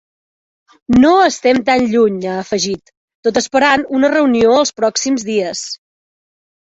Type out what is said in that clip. No estem tan lluny, ha afegit, tot esperant una reunió els pròxims dies.